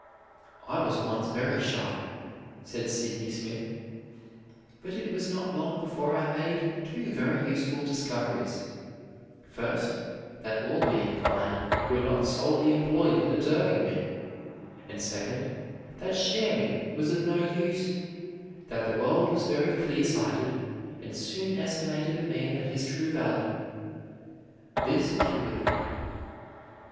"I was once very shy," said Sydney Smith, "but it was not long before I made two very useful discoveries; first, that all mankind were not solely employed in observing me; and next, that shamming was of no use; that the world was very clear sighted, and soon estimated a man at his true value. This cured me."